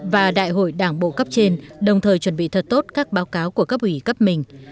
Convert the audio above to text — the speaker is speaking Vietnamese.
và đại hội đảng bộ cấp trên đồng thời chuẩn bị thật tốt các báo cáo của cấp ủy cấp mình